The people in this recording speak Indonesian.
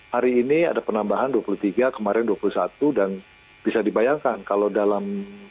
hari ini ada penambahan dua puluh tiga kemarin dua puluh satu dan bisa dibayangkan kalau dalam